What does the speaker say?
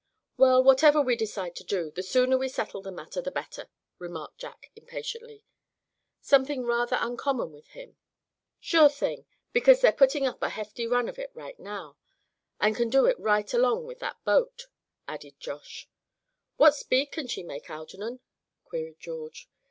"Well, whatever we decide to do, the sooner we settle the matter the better," remarked Jack, impatiently, something rather uncommon with him. "Sure thing, because they're putting up a hefty run of it right now, and can do it right along with that boat," added Josh. "What speed can she make, Algernon?" queried George.